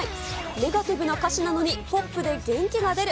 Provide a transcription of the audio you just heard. ネガティブな歌詞なのに、ポップで元気が出る。